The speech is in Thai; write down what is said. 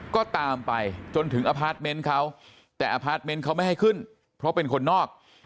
ก็ตามไปจนถึงอพาร์ทเมนต์เขาแต่อพาร์ทเมนต์เขาไม่ให้ขึ้นเพราะเป็นคนนอก